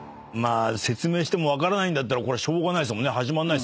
説明しても分からないんだったらこれしょうがないですもんね。